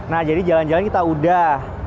nah jadi jalan jalan kita udah